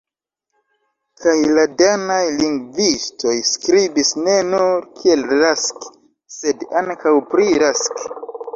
Kaj la danaj lingvistoj skribis ne nur kiel Rask, sed ankaŭ pri Rask.